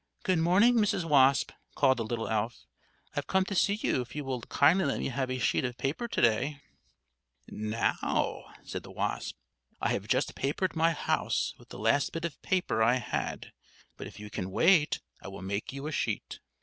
"Good morning Mrs. Wasp," called the little elf, "I've come to see if you will kindly let me have a sheet of paper to day." "Now," said the wasp, "I have just papered my house with the last bit of paper I had, but if you can wait, I will make you a sheet."